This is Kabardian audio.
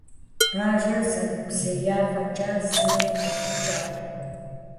Бажэр зэӀурыбзея фӀэкӀа, зыри къыфӀигъэкӀакъым.